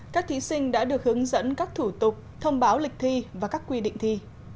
các thí sinh đã được hướng dẫn các thủ tục thông báo lịch thi và các quy định thi